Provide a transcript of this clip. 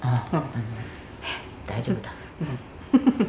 大丈夫だ。